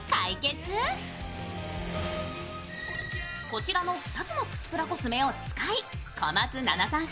こちらの２つのプチプラコスメを使い、小松菜奈さん